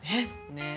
ねえ。